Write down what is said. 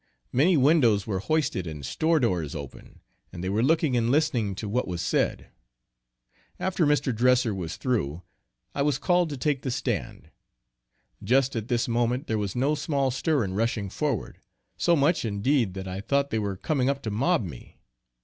Many windows were hoisted and store doors open, and they were looking and listening to what was said. After Mr. Dresser was through, I was called to take the stand. Just at this moment there was no small stir in rushing forward; so much indeed, that I thought they were coming up to mob me.